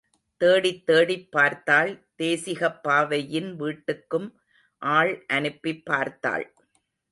தேடித் தேடிப் பார்த்தாள் தேசிகப்பாவையின் வீட்டுக்கும் ஆள் அனுப்பிப் பார்த்தாள்.